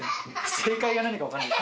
正解が何か分かんない。